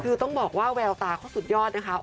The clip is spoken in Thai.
คือต้องบอกว่าแววตาเขาสุดยอดนะคะ